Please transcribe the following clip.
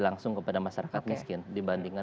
langsung kepada masyarakat miskin dibandingkan